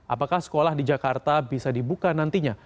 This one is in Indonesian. apakah sekolah di jakarta bisa dibuka nantinya